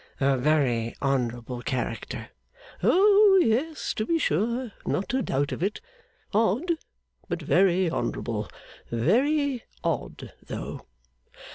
'A very honourable character.' 'Oh, yes, to be sure. Not a doubt of it. Odd, but very honourable. Very odd though.